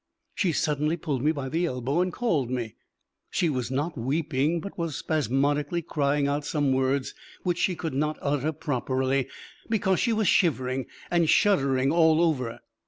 She suddenly pulled me by the elbow and called me. She was not weeping, but was spasmodically crying out some words which she could not utter properly, because she was shivering and shuddering all over.